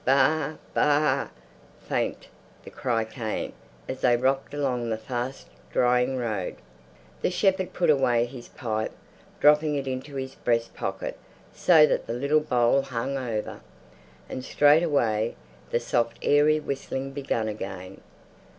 "Baa! Baa!" Faint the cry came as they rocked along the fast drying road. The shepherd put away his pipe, dropping it into his breast pocket so that the little bowl hung over. And straightway the soft airy whistling began again.